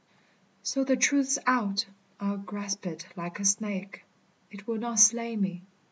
So, the truth's out. I'll grasp it like a snake, It will not slay me.